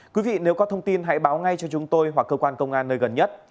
quý vị nếu có thông tin hãy báo ngay cho chúng tôi hoặc cơ quan công an nơi gần nhất